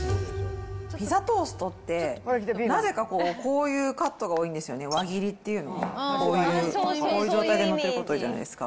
ピザトーストって、なぜかこう、こういうカットが多いんですよね、輪切りっていうの、こういう、こういう状態で載っていることが多いじゃないですか。